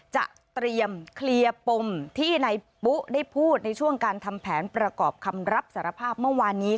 จะเตรียมเคลียร์ปมที่นายปุ๊ได้พูดในช่วงการทำแผนประกอบคำรับสารภาพเมื่อวานนี้